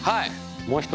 もう一つ。